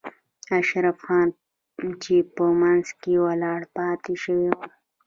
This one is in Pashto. اشرف خان چې په منځ کې ولاړ پاتې شوی و.